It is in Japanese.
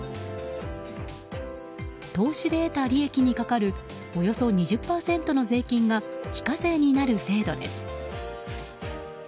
投資で得た利益にかかるおよそ２０％の税金が非課税になる制度です。